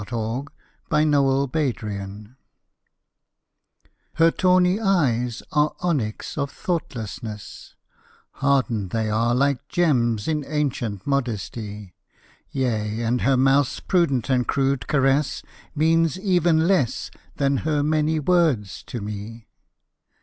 THE HANDS OF THE BETROTHED HER tawny eyes are onyx of thoughtlessness, Hardened they are like gems in ancient modesty; Yea, and her mouth's prudent and crude caress Means even less than her many words to me.